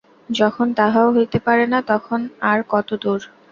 যখন তাহাও হইতে পারে না, তখন আর কত দূর!